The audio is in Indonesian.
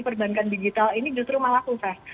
perbankan digital ini justru malah sukses